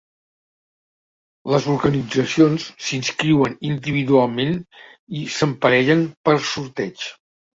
Les organitzacions s'inscriuen individualment i s'emparellen per sorteig.